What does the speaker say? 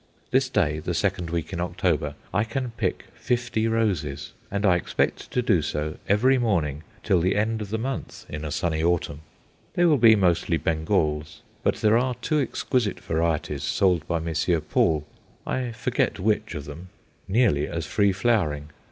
This day, the second week in October, I can pick fifty roses; and I expect to do so every morning till the end of the month in a sunny autumn. They will be mostly Bengals; but there are two exquisite varieties sold by Messrs. Paul I forget which of them nearly as free flowering.